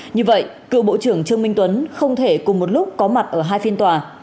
như vậy cựu bộ trưởng trương minh tuấn không thể cùng một lúc có mặt ở hai phiên tòa